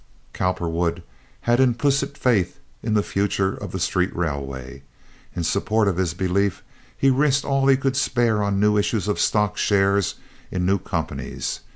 Cowperwood had implicit faith in the future of the street railway. In support of this belief he risked all he could spare on new issues of stock shares in new companies.